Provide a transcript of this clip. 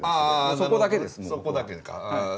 そこだけかあぁ。